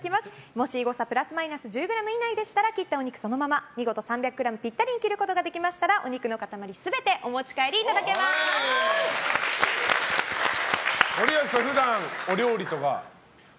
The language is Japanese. もし誤差プラスマイナスが１０ｇ以内なら切ったお肉そのまま見事３００ｇぴったりに切ることができましたらお肉の塊全て森脇さん、普段お料理とかは？